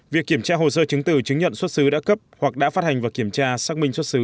việc kiểm tra hồ sơ chứng từ chứng nhận xuất xứ đã cấp hoặc đã phát hành và kiểm tra xác minh xuất xứ